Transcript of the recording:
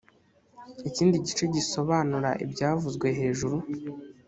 ikindi gice gisobanura ibyavuzwe hejuru